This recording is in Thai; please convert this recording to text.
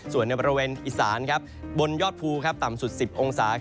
ส่วนในบริเวณอีสานบนยอดภูต่ำสุด๑๐องศา